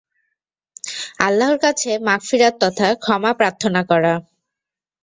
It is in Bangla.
আল্লাহর কাছে মাগফিরাত তথা ক্ষমাপ্রার্থনা করা।